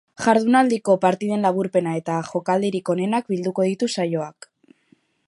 Jardunaldiko partiden laburpena, eta jokaldirik onenak bilduko ditu saioak.